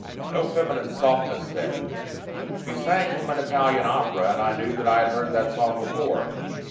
No feminine softness there. She sang from an Italian opera, and I knew that I had heard that song before.